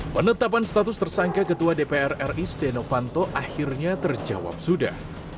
penetapan status tersangka ketua dpr ri setia novanto akhirnya terjawab sudah